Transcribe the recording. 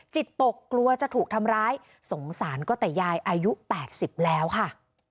จิตตกกลัวจะถูกทำร้ายสงสารก็แต่ยายอายุ๘๐แล้วค่ะ